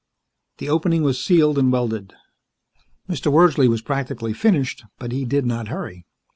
The opening was sealed and welded. Mr. Wordsley was practically finished, but he did not hurry.